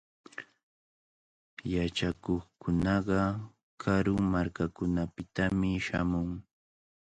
Yachakuqkunaqa karu markakunapitami shamun.